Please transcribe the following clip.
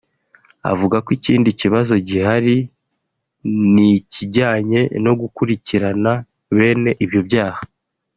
avuga ko ikindi kibazo gihari n’ikijyanye no gukurikirana bene ibyo byaha